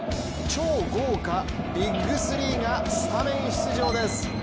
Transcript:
超豪華ＢＩＧ３がスタメン出場です。